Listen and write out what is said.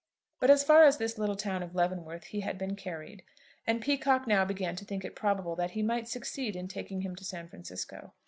But as far as this little town of Leavenworth he had been carried, and Peacocke now began to think it probable that he might succeed in taking him to San Francisco.